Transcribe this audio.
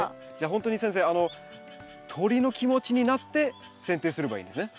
ほんとに先生鳥の気持ちになってせん定すればいいんですね。